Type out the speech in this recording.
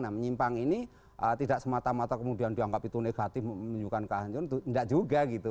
nah menyimpang ini tidak semata mata kemudian dianggap itu negatif menunjukkan kehancuran tidak juga gitu